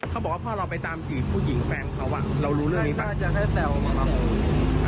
เขาบอกว่าพ่อเราไปตามจีบผู้หญิงแฟนเขาว่ะเรารู้เรื่องนี้ปะ